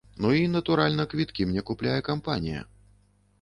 Ну і, натуральна, квіткі мне купляе кампанія.